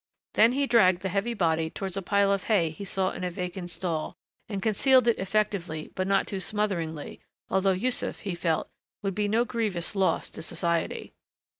Then he dragged the heavy body towards a pile of hay he saw in a vacant stall and concealed it effectively but not too smotheringly although Yussuf, he felt, would be no grievous loss to society.